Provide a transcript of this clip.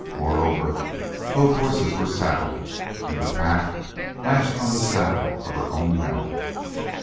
Moreover, both horses were saddled, and the pack lashed on the saddle of her own mount.